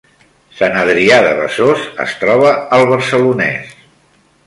Sant Adrià de Besòs es troba al Barcelonès